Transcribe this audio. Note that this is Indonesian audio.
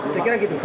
saya kira gitu